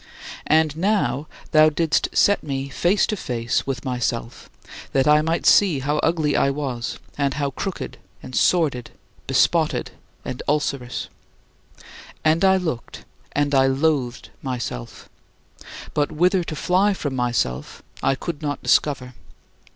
And now thou didst set me face to face with myself, that I might see how ugly I was, and how crooked and sordid, bespotted and ulcerous. And I looked and I loathed myself; but whither to fly from myself I could not discover.